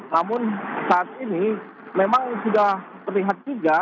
namun saat ini memang sudah terlihat juga